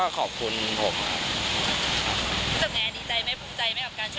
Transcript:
พบใจกับการช่วยเหรอครั้งนี้